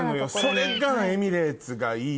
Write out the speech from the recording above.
それがエミレーツがいいとこ。